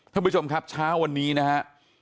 ท่านผู้ชมครับเช้าวันนี้นะฮะ